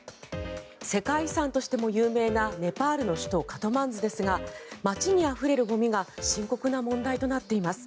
世界遺産としても有名なネパールの首都カトマンズですが街にあふれるゴミが深刻な問題となっています。